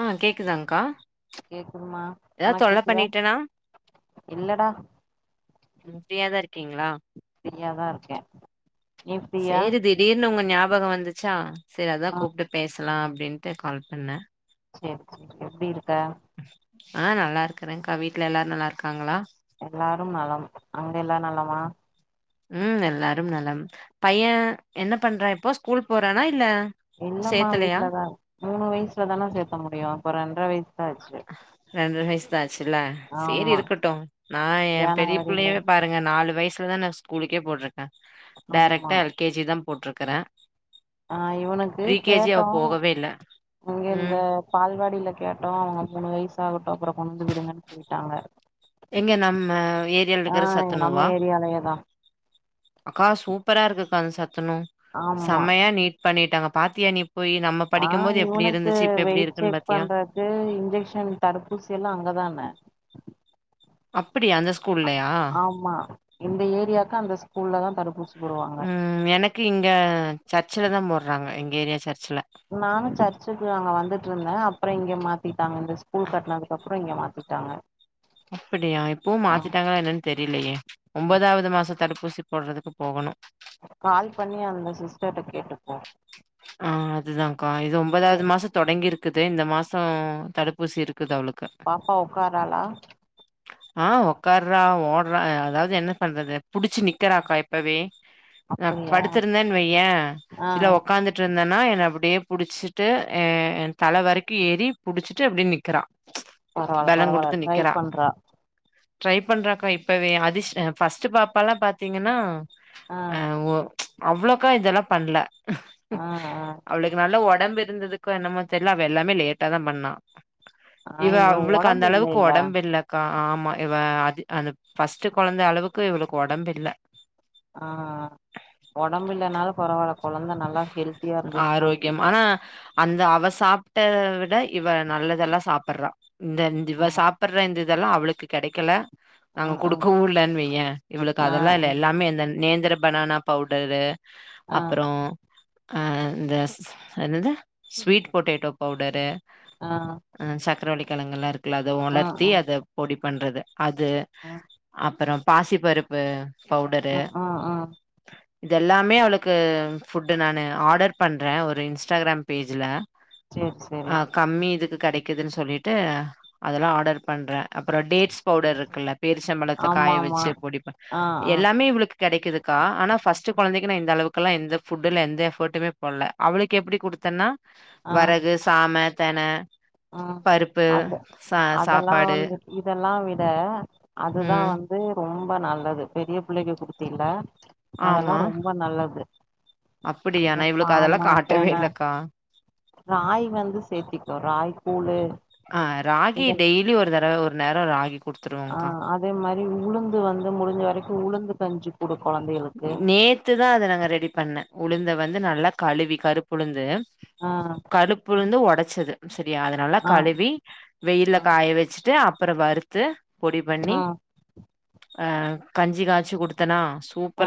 ஆ கேக்குதாங்க்கா கேக்குதுமா ஏதாவது உனக்கு தொல்ல கேக்குதா பண்ணிட்டேனா இல்லடா ஃப்ரியாதா இருக்கீங்ளா ஃப்ரியாதா இருக்கே நீ ஃப்ரீயா சேரி திடீர் ன்னு உங்க ஞாபகோ வந்துச்சா சரி அதா ஆ கூப்ட்டு பேச்லா அப்டின்ட்டு கால் பண்ணே சேரி சேரி எப்டி இருக்க ஆ நல்லா இருக்கறேன்க்கா வீட்டு்ல எல்லாரு நல்லா இருக்காங்களா எல்லாரும் நலம் அங்க எல்லா நலமா ம் எல்லாரும் நலம் பையன் என்ன பண்றா இப்போ ஸ்கூல் போறானா இல்ல இல்லமா சேத்தலையா வீட்லதா இருக் மூணு வயசுலதான சேர்த்த முடியு இப்போ ரெண்டர வயசு தா ஆச்சு ரெண்ற வயசு தா ஆச்சுல்ல சேரி ஆமா இருக்கட்டு நா ஏன் பெரிய ஜனவரில புள்ளயவே பாருங்க நாலு வயசுலதா நா ஸ்கூலுக்கே போட்ருக்க ஆமா டேரக்ட்டா எல் கே ஜி தா போட்ருக்கறே ஆ இவனுக்கு ப்ரீ கே ஜி அவ கேட்டோ போகவே இல்ல அங்க இந்த ம் பால்வாடில கேட்டோ அவங்க மூணு வயசாகட்டு அப்புறொ கொண்டுவந்து விடுங்கன்னு சொல்லிட்டாங்க எங்க நம்ம ஏரியால ஆ இருக்கிற நம்ம சத்துணவா ஏரியாலயேதா அக்கா சூப்பரா இருக்குக்கா அந்த சத்துணவு ஆமா செம்மையா நீட் பண்ணிட்டாங்க பாத்தியா நீ போய் நம்ம ஆ படிக்கும் போது எப்டி இவனுக்கு இருந்துச்சு இப்ப எப்டி வெயிட் இருக்குன்னு செக் பாத்தியா பண்றது இன்ஜெக்ஷ்ன் தடுப்பூசி எல்லா அங்கதான அப்படியா அந்த ஸ்கூ அ ஆமா இந்த ஏரியாக்கு அந்த ஸ்கூல்ல தா தடுப்பூசி போடுவாங்க ம் எனக்கு இங்க சர்ச்சில தா போட்றாங்க எங்க ஏரியா சர்ச்சில நானு சர்ச்சுக்கு அங்க வந்துட்ருந்தே அப்பற இங்க மாத்திட்டாங்க இந்த ஸ்கூல் கட்னதுக்கு அப்புறொ இங்க மாத்திட் ட்டாங்க அப்படியா இப்பவும் மாத்திட்டாங்களா என்னன்னு தெரிலயே ஒம்பதாவ்து மாச தடுப்பூசி போட்றதுக்கு போகணு கால் பண்ணி அந்த சிஸ்டர்ட கேட்டுப்போ ஆ அதுதாக்கா இது ஒம்பதாவ்து மாசத் தொடங்கி இருக்குது இந்த மாசொ தடுப்பூசி இருக்குது அவளுக்கு பாப்பா ஒக்காராளா [inaudible] ஆ ஒக்காறா ஓட்றா அதாது என்ன பண்றது புடிச்சு நிக்கறாக்கா இப்பவே நா அப்படியா படுத்துருந்தேன் வையே ஆ இல்ல ஒக் ஒக்காந்துட்ருந்தேன்னா என்ன அப்டே புடிச்சிட்டு ஏ தல வரைக்கு ஏறி புடிச்சிட்டு அப்டியே நிக்கறா பரவால்ல பலொங் பரவால்ல குடுத்து ட்ரை நிக்கிறா பண்றா ட்ரை பண்றாக்கா இப்பவே அதிஸ் ஃபர்ஸ்ட் பாப்பாலா பாத்தீங்கன்னா ஆ அ ஓ அவ்ளக்கா இதெல்லா பண்ல ஆ ஆ அவளுக்கு நல்ல ஒடம்பு இருந்ததுக்கு என்னமோ தெர்ல அவ எல்லாமே லேட்டா தா பண்ணா ஆ இவ இவுளுக்கு அந்த ஒடம்பு அளவுக்கு இல்லைல்ல ஒடம்பில்ல கா ஆமா இவ அது அந்த ஃபர்ஸ்ட்டு கொழந்த அளவுக்கு இவளுக்கு ஒடம்பில்ல ஆ ஒடம்பு இல்லனாலும் பரவால்ல கொழந்த நல்லா ஹெல்த்தியா இருந்துச்சுன்னா ஆரோக்கியம் போது ஆனா அந்த அவ சாப்ட்ட விட இவ நல்லதெல்லா சாப்பறா இந்த ஆ இவ சாப் ப்பற இந்த இதெல்லா அவளுக்கு கெடைக்கல ஆ நாங்க ஆ குடுக்கவுல்லன் வைய இவுளுக்கு ஆ அதெல்லா இல்ல எல்லாமே அந்த நேந்த்ர பனானா பவுடரு ஆ அப்பறோ அ இந்த ஸ்ஸ் என்னது ஸ்வீட் பொட்டேட்டோ பவுடரு ஆ அ சக்கரவள்ளிக்கெழங்கல்லா இருக்குல்ல அத ஆ ஆ ஒலர்த்தி அத பொடி பண்றது அது ஆ அப்பறொ பாசிப்பருப்பு பவுடரு ஆ ஆ ஆ இதெல்லாமே அவுளுக்கு ஃபுட்டு நானு ஆடர் பண்ற ஒரு இன்ஸ்டாகிராம் பேஜ்ல சேரி சேரி ஆ கம்மி இதுக்கு கெடைக்குதுன் சொல்லிட்டு அதெல்லா ஆடர் பண்றே அப்றோ டேட்ஸ் பவுடர் இருக்குல்ல பேரிச்சம்பழத்த ஆமா காய ஆமா வெச்சு பொடிப்பன் ஆ ஆ எல்லாமே இவுளுக்கு கெடைக்குதுக்கா ஆனா ஃபர்ஸ்ட்டு கொழந்தைக்கு நா இந்த அளவுக்குலா எந்த ஃபுட்டுல எந்த எஃபர்ட்டுமே போட்ல அவுளுக்கு எப்டி குடுத்தன்னா ஆ வரகு சாம தென ஆ பருப்பு ச சாப்பாடு இதெல்லாம் விட அதுதா ம் வந்து ரொம்ப நல்லது பெரிய புள்ளைக்கு குடுத்தீல அதெல்லா ஆமா ரொம்ப நல்லது அப்படியா அதா நா இவளுக்கு சாம அதெல்லா காட்டவே தென இல்லக்கா ராயில் வந்து சேத்திக்கொ ராய் கூழு இதெல்லா லி ஒரு தடவு நேரொ ராகி ஆ குடுத்துருவோங்க்கா அதே மாரி உளுந்து வந்து முடிஞ்ச வரைக்கு உளுந்து கஞ்சி குடு கொழந்தைகளுக்கு நேத்துதா அத ரெடி பண்ண உளுந்த வந்து நல்லா கழுவி கருப்புளுந்து ஆ கருப்புளுந்து ஒடச்சது சரியா அத நல்லா ஆ கழுவி வெயில்ல ஆ காய வச்சுட்டு அப்பறொ வறுத்து பொடி பண்ணி ஆ ஆ கஞ்சி காச்சு குடுத்தன்னா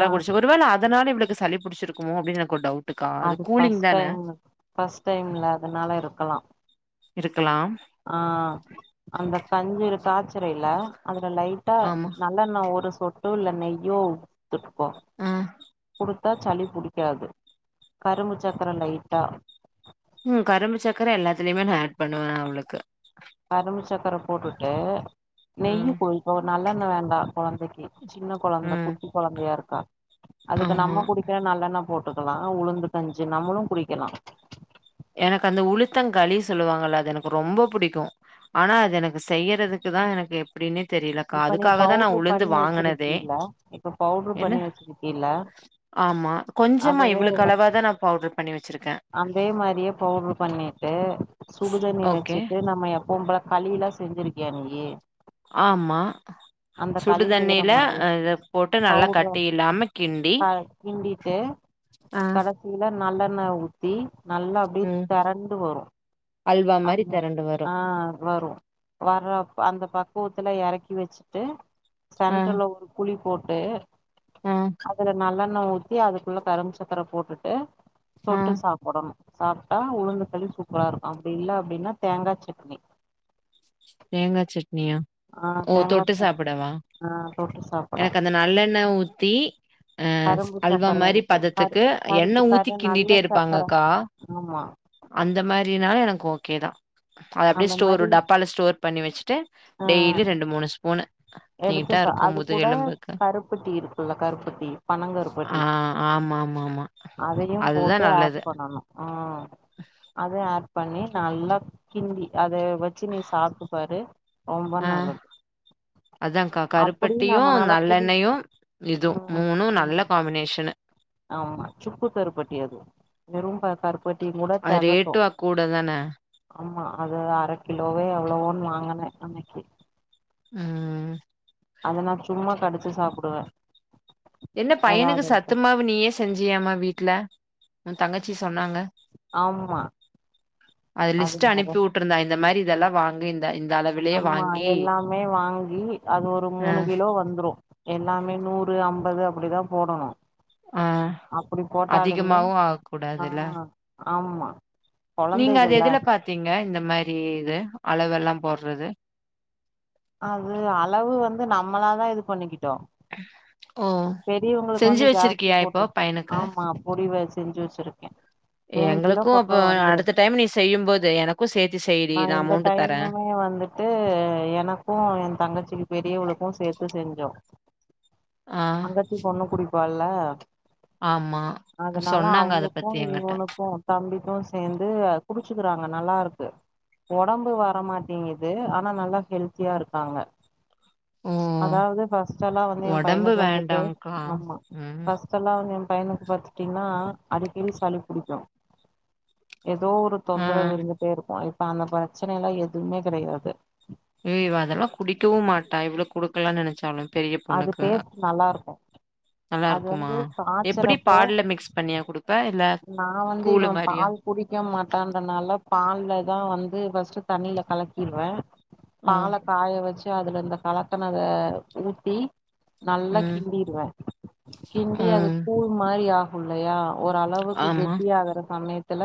ஆ குடிச்சா ஒரு வேள அதனால இவுளுக்கு சளி புடிச்சிருக்குமோ அப்டினு எனக்கு ஒரு டவுட்டுக்கா அது கூலிங் தான ஃபர்ஸ்ட் டைம்ல அதனால இருக்கலா இருக்கலாம் ஆ அந்த கஞ்ச இரு காய்ச்சறேல அதுல லைட்டா ஆமா நல்லெண் நா ஒரு சொட்டு இல்ல நெய்யோ த்துட்டுக்கொ ஆ குடுக் த சளி புடிக்காது கரும்பு சக்கர லைட்டா ம் கரும்பு சக்கர எல்லாத்துலயுமே நா ஆட் பண்ணுவ அவுளுக்கு கரும்பு சக்கர போட்டுட்டு நெய்யி ம் குடுப்போ நல்லெண்ண வேண்டா கொழந்தைக்கி ஜின்ன கொழந்த ம் குட்டி கொழந்தயா இருக்கா அதுக்கு ஆமா நம்ம குடிக் கே நல்லெண்ண போட்டுக்லா உளுந்து கஞ்சு நம்மளு குடிக்கலா எனக்கு அந்த உளுத்தர் களி சொல்லுவாங்கள அது எனக்கு ரொம்ப புடிக்கும் ஆனா அது எனக்கு செய்யறதுக்கு தான் எனக்கு எப்படினே தெரியலக்கா இப்ப நீ அதுக்காகதா நா பவுட்ரு உளுந்து பண்ணி வாங்குனதே வச்சிருக்கீல இப்ப பவுட்ரு என்ன பண்ணி வச்சிருக்கீல ஆமா கொஞ்சமா அதுவே இவ்வுகளவாதா நா பவுட்ரு பண்ணி வச்சிருக்க அதே மாரியே பவுட்ரு பண்ணீட்டு சுடு தண்ணி ஓகே வச்சுட்டு நம்ம எப்பவும் பல களி யெல்லா செஞ்சிருக்கியா நீயி ஆம்மா அந்த சுடு களி செய்யற தண்ணியில மாரியே அத போட்டு நல்லா பவுட்ர கட்டி இல்லாம கிண்டி க ஆ இத நல்லெண்ண ஊத்தி நல்லா அப்டி ம் தெறண்டு வரும் அல்வா மாரி ஆமா தெரண்டு ஆ வரும் வரூம் வர்றப்ப அந்த பக்குவத்துல எறக்கி வச்சிட்டு சென்டர்ல ஒரு குளி போட்டு ம் அதுல நல்லெண்ண ஊத்தி அதுக்குள்ள கரும் சக்கர போட்டுட்டு ஆ தொட்டு சாப்படணும் சாப்ட்டா உளுந்து களி சூப்பரா இருக்கும் அப்டி இல்ல அப்டின்னா தேங்கா ஜட்னி தேங்கா ஜட்னியா ஆ ஓ தேங்கா தொட்டு சட்னி சாப்டவா ஆ தொட்டு சாப்புட எனக்கு அந்த நல்லெண்ண ஊத்தி அ கரும்பு அல்வா சக்கர மாரி அதுக்கு கரு பதத்துக்கு கருப்பு எண்ணெ ஊத்தி கரு நல்ல கிண்டிட்டே சக்கர இருப்பாங்கக்கா ஆமா அந்த மாரினாலு எனக்கு ஓகே தா அது அப்டியே அந்த ஸ்டோர் மாரி டப்பால ஸ்டோர் பண்ணி வச்சுட்டு ஆ டெய்லி ரெண்டு மூணு ஸ்பூனு எடுத்து நீட்டா ச இருக்கும் அது கூட முதுகெலும்புக்கு கருப்பட்டி இருக்குல்ல கருப்பட்டி ஆ பனங்கருப்பட்டி ஆமாமாமா. அதையு போட்டு அதுதான் ஆட் நல்லது. பண் ஆ ஆ அத ஆட் பண்ணி நல்லா கிண்டி அத வச் ச்சி நீ சாப்ட்டு பாரு ரொம்ப நல்லது அதாகா அப்டியு கருப்பட்டியு நம்மனால புடி நல்லெண்ணயு இது ம் மூணு நல்ல ம் காம்பினேஷனு ஆமா சுக்கு கருப்பட்டி அது வெரும் ப கரு பட்டி கூட அது தெகட்டு ரேட்டும் கூட தான. ஆமா அது அர கிலோவே எவ்ளோனு வாங்கினே அன்னைக்கு ம் அத நா சும்மா கடிச்சு சாப்பிடுவ என்ன பையனுக்கு சத்துமாவ நீயே செஞ்சியாம வீட்ல உ தங்கச்சி சொன்னாங்க ஆமா அது லிஸ்ட் அனுப்பி வுட்டுருந்தா இந்த மாரி இதெல்லா வாங்கு இந் ஆமா எல்லாமே வாங்கி அது ஒரு அ மூணு கிலோ வந்துரு எல்லாமே நூறு ஐம்பது அப்படிதா போடணு ஆ அப்படி போட்டாலுமே அதிகமாவும் ஆ ஆகக்கூடாதுல்ல. ஆமா நீங்க அது கொழந்தைகள்ல எதுல பாத்தீங்க இந்த மாரி இது அளவெல்லா போடுறது அது அளவு வந்து நம்மளாதா இது பண்ணிக்கிட்டோ ஓ! பெரியவங்களுக்கு செஞ்சு வந்து ஜாஸ்தி வச்சிருக்கியா இப்போ போடுற பையனுக்கு? ஆமா முடிவ செஞ்சு வச்சிருக்கே மூணு கிலோ எங்களுக்கும் பக்க அப்ப வந்துரு அடுத்த டைம் நீ செய்யும்போது எனக்கும் சேத்தி செய்டி நா நான் இந்த அமௌண்ட் டைமு தரேன். வந்துட் டு எனக்கு எ தங்கச்சிக்கு பெரியவளுக்கு சேத்து செஞ்சோ ஆ, தங்கச்சிபொண்ணு குடிப்பால ஆமா. அதனால சொன்னாங்க அத அவளுக்கு பத்தி என்கிட்ட. இவனுக்கு தம்பிக்கு சேந்து குடிச்சுக்குறாங்க நல்லாருக்கு ஒடம்பு வரமாட்டேங்குது ஆனா நல்லா ஹெல்த்தியா இருக்காங்க ஓ! அதாவது ஃபஸ்ட் எல்லா வந்து எ உடம்பு பையனுக்கு வந்துட்டு வேண்டாங்க்கா. ஆமா ம். ஃபஸ் ஸ்டெல்லா வந்து எ பையனுக்கு பாத்துட்டீங்கன்னா அடிக்கடி சளி பிடிக்கு ஏதோ ஒரு ஆ. தொந்தரவு இருந்துட்டே இருக்கு இப்ப அந்த பிரச்சனை எல்லா எதுமே கெடையாது ஏ இவ அதெல்லா குடிக்கவு மாட்டா இவளக்கு குடுக்கலானு நெனைச்சாலு பெரிய அது பொண்ணுக்கு டேஸ்ட் நல்லா இருக்கு நல்லா அது இருக்குமா வந்து எப்படி காய்ச்சறப்போ பால்ல மிக்ஸ் பண்ணியா குடுப்ப இல்ல நா வந்து இவ கூளு மாரியா பால் குடிக்க மாட்டான்றதுனால பால்லதா வந்து ஃபஸ்ட் தண்ணியில கலக்கிருவ ஆ, பால காய வச்சு அதுல இந்த கலக்கனத ஊத்தி நல்லா ம், கிண்டிருவ கிண்டி அது ம். கூழ் மாரி ஆகுல்லையா ஓரளவு உத்தி ஆமா. கெட்டி ஆகுற சமயத்துல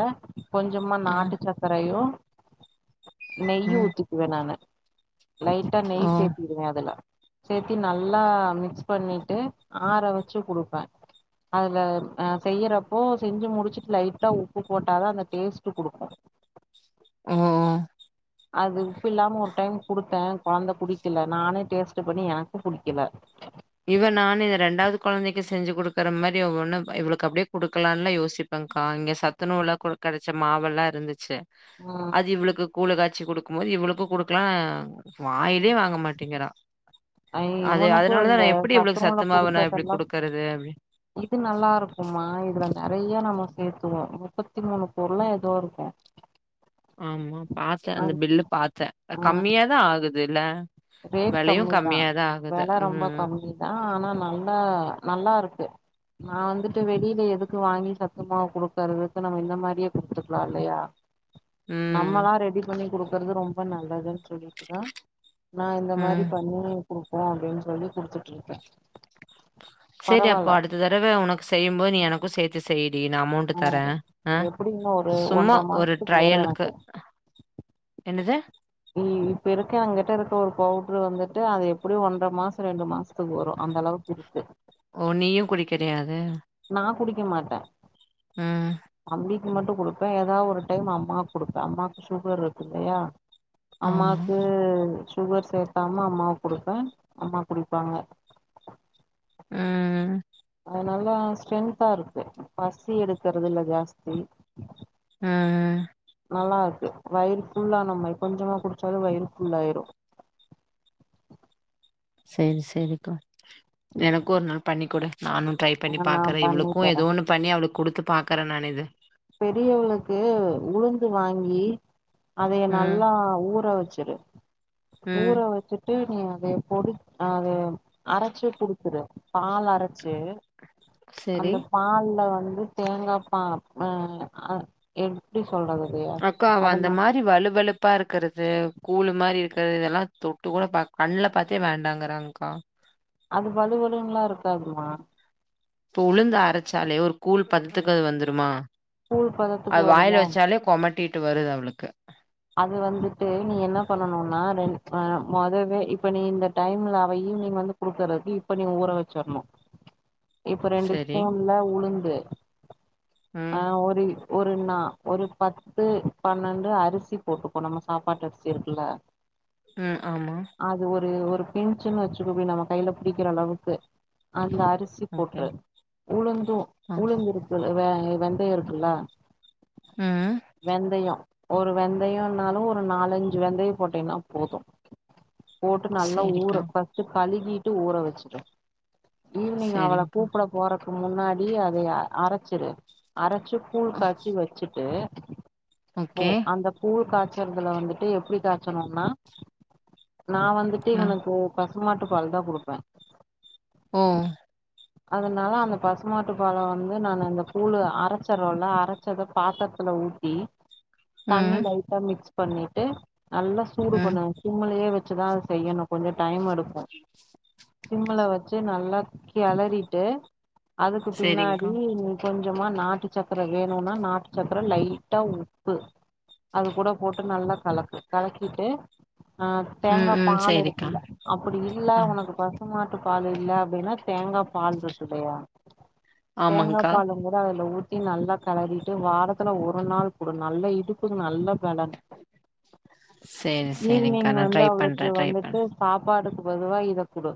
கோஞ்சமா ஆ, நாட்டு சக்கரையு நெய்யு ம். ஊத்திக்குவே நானு லைட்டா ஓ, நெய் சேத்திடுவே அதுல சேத்தி நல்லா மிக்ஸ் பண்ணிட்டு ஆற வச்சு குடுப்பே அதுல செய்யறப்போ செஞ்சி முடிச்சிட்டு லைட்டா உப்பு போட்டாதா அந்த டேஸ்ட் குடுக்கு ம் அது உப்பு இல்லாம ஒரு டைம் குடுத்த கொழந்த குடிக்கல நானே டேஸ்ட் பண்ணி எனக்கு புடிக்கல இவ நானு இந்த ரெண்டாவது கொழந்தைக்கு சென்ஜி கொடுக்குற மாரி ஒண்ணு இவளுக்கு அப்டியே கொடுக்கலாம்ல யோசிப் ப்பங்கா இங்க சத்துணவுல கூட கெடச்ச மாவெல்லா இருந்துச்சு ஆ அது இவளுக்கு கூழ காச்சி குடுக்கும் போது இவளுக்கு குடுக்கலா வாயிலே வாங்க மாட்டேங்கிறா ஆ அது இவனுக்கு அந்த சத்துணவுல குடுத்ததெல்லா வருது அப்டி இது நல்லா இருக்கும்மா இதுல நெறைய நம்ம சேத்துவோ முப்பத்தி மூணு பொருளோ ஏதோ இருக்கு ஆமா பாத்தே அந்த அது பில்லு பாத்தே ஆ கம்மியாதா ஆகுதில்ல ரேட் வெலையு கம்மி தா கம்மியாதா ஆகுது வெல ம் ரொம்ப ம் கம்மி தா ஆனா நல்லா நல்லா இருக்கு வந்துட்டு வெளியில எதுக்கு வாங்கி சத்துமாவு குடுக்கறதுக்கு நம்ம இந்த மாரியே குடுத்துக்லா இல்லையா ம் நம்மலா ரெடி பண்ணி குடுக்கறது ரொம்ப நல்லதுன்னு சொல்லிட்டுதா நா இந்த மாரி ம் பண்ணி குடுப்போ அப்டினு சொல்லி குடுத்துட்ருக்கே செரி அப்போ அடுத்த தடவ ஒனக்கு செய்யும்போது நீ எனக் கு சேத்து செய்டி நா அமௌண்ட்டு ஆ தரே எப்டி இன்னு ஒரு சும்மா ஒன்ற ஒரு மாசத்துக்கு வரு ட்ரயலுக்கு எனக்கு என்னது இ இப்ப இருக்க எங்கட்ட இருக்க ஒரு பவுடரு வந்துட்டு அது எப்புடியு ஒன்றர மாசோ ரெண்டு மாசோ த்துக்கு வரு அந்த அளவுக்கு இருக்கு ஓ நீயு குடிக்கிறியாது நா குடிக்க மாட்ட ம் தம்பிக் கு மட்டு குடுப்பே ஏதாவு ஒரு டைம் அம்மாக்கு குடுப்பே அம்மாவுக்கு சுகர் இருக்கு இல்லையா ஆமா அம்மாக்கு சுகர் சேக்காம அம்மாவுக்கு குடுப்ப அம்மா குடிப்பாங்க ம் ம் அது நல்லா ஸ்ட்ரென்த்தா இருக்கு பசி எடுக்கறது இல்ல ஜாஸ்தி ம் ம் நல்லா இருக்கு வயிறு ஃபுல்லான மாரி கொஞ்சமா குடிச்சாலு வயிறு ஃபுல்லாயிரு சேரி சேரிக்கா எனக்கு ஒரு நாள் பண்ணி குடு நானு ட்ரை பண்ணி ஆ நா பாக்கறே பண்ணி இவளுக்கு தரே ஏதோ ஒன்னு பண்ணி அவளுக்கு குடுத்து பாக்கறே நானு இது பெரியவளுக்கு உளுந்து வாங்கி அதைய ம் நல்லா ஊற வச்சுரு ஊற ம் வச்சுட் டு நீ அத பொடி அத அறைச்சி குடுத்துடு பால் அரைச்சு செரி அந்த பால்ல வந்து தேங்கா பா ஆ ஆ எ எப்டி சொல்றது அக்கா அது ந அவந்தமாரி வலுவலுப் ப்பா இருக்குறது கூழ் மாரி இருக்குறது இதெல்லா தொட்டு கூட பாக் கண்ணுல பாத்தே வேண்டாங்குறாங்க்கா அது வலுவலுன்லா இருக்காதுமா இப்ப உளுந்து அரைச்சாலே ஒரு கூழ் பதத்துக்கது வந்துருமா கூழ் பதத்துக்கு அவ வருதா வாயில வச்சாலே கொமட்டிட்டு வருது அவளுக்கு அது வந்துட்டு நீ என்ன பண்ணனுனா ரெ ஆ மொதவே இப்ப நீ இந்த டைம்ல அவ ஈவ்னிங் வந்து குடுக்கறது இப்ப நீ ஊற வச்சிரணு [inaudible] இப்ப ரெண்டு செரி ஸ்பூன்ல உளுந்து ஆ ம் ஒரு ஒரு நா ஒரு பத் து பன்னெண்டு அரிசி போட்டுக்கோ நம்ம சாப்பாட்டு அரிசி இருக்குல ம் ஆமா அது ஒரு ஒரு பின்சுன்னு வச்சுக்கவே நம்ம கையில புடிக்கிற அளவுக்கு அந்த ரிசி ஓகே போட்ரு உளுந்து ம் உளுந்திருக்குல வெ வெந்தயோ இருக்குல்ல ம் வெந்தயொ ஒரு வெந்தயொனாலு ஒரு நாலஞ்சு வெந்தயொ போட்டீனா போது போட்டு நல்லா ஊற செரிக்கா ஃபஸ்ட்டு கழுவிட்டு ஊற வச்சுடு ஈவினிங் அவள சேரிங்க்கா கூப்ட போறக்கு முன்னாடி அதய அரச்சுரு அரச்சு கூல் காய்ச்சி வச்சுட்டு போ ஓகே அந்த கூல் காய்ச்சறதுல வந்துட்டு எப்டி காய்ச்சனும்னா நா வந்துட்டு ம் உனக்கு பசுமாட்டு பால் தா குடுப்பே ஓ அதனால அந்த பசு மாட்டு பால வந்து நா இந்த கூழு அரச்சுற்றோல்ல அரச்சத பாத்த த்துல ஊத்தி தண்ணி ம் லைட்டா மிக்ஸ் பண்ணிட்டு நல்லா சூடு ம் பண்ண சிம்முலயே வச்சுதா அது செய்யணு கொஞ்ச டைம் எடுக்கு சிம்முல வச்சு நல்லா கெளறிட்டு அதுக்கு சேரிங்க்கா பின்னாடி கொஞ்சமா நாட்டு சக்கர வேணுனா நாட்டு சக்ர லைட்டா உப்பு அது கூட போட்டு நல்லா கலக்கு கலக்கிட்டு ஆ ம் தேங்கா ம் பால் சேரிக்கா எடுக்கில்ல அப்படி இல்ல ஆ ஒனக்கு பா ச மாட்டு பால் இல்ல அப்டின்னா தேங்கா பால் ருக்கில்லையா தேங்கா ஆமாங்க்கா பாலூங் கூட அதுல ஊத் நல்லா கெளறிட்டு வாரத்துல ஒரு நாள் குடு நல்ல இடுப்புக்கு நல்ல பெலன் சேரி சேரிங்க்கா ஈவ்னிங் நா வந்து ட்ரை பண்றே அவளுக்கு ட்ரை வந்துட்டு பண்றே சாப்பாடுக்கு பொதுவா இத குடு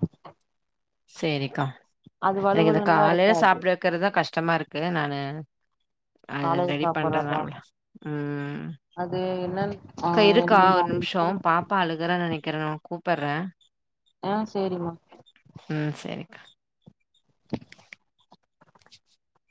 சேரிக்கா அது எனக்கு இந்த வலுவலுன்லா காலேல இருக்காது சாப்ட வெக்றத்தா கஷ்டமா ருக்கு நானு அது காலைல ரெடி பண்றதா சாப்பட்றதா அவ்ளா உம் அது என்னன் ஆ க்கா இருக்கா நீங்க ஒரு அன்னைக்கு நிம்ஷ்ஷொ குடு பாப்பா அழுகுற நெனக்கிறே நா ஒனக் கூப்புற்றே ஆ சேரிமா உம் சேரிக்கா [inaudible] [inaudible]